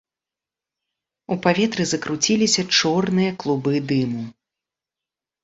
У паветры закруціліся чорныя клубы дыму.